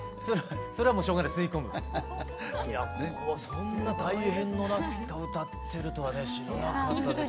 そんな大変の中歌ってるとはね知らなかったですね。